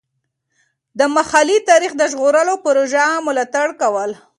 د محلي تاریخ د ژغورلو پروژو ملاتړ کول.